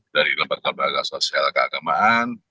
dari lembaga lembaga sosial keagamaan